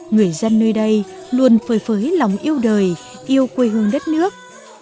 người dân nơi đây luôn phơi phới lòng yêu đời yêu quê hương đất nước